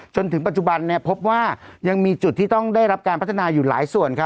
จนถึงปัจจุบันพบว่ายังมีจุดที่ต้องได้รับการพัฒนาอยู่หลายส่วน